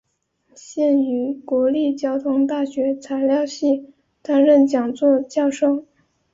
现于国立交通大学材料系担任讲座教授。